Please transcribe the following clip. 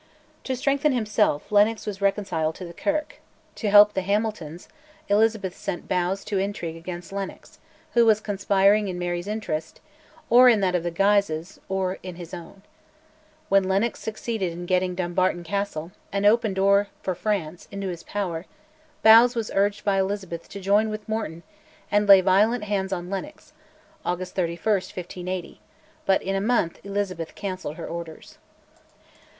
To strengthen himself, Lennox was reconciled to the Kirk; to help the Hamiltons, Elizabeth sent Bowes to intrigue against Lennox, who was conspiring in Mary's interest, or in that of the Guises, or in his own. When Lennox succeeded in getting Dumbarton Castle, an open door for France, into his power, Bowes was urged by Elizabeth to join with Morton and "lay violent hands" on Lennox (August 31, 1580), but in a month Elizabeth cancelled her orders.